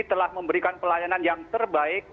telah memberikan pelayanan yang terbaik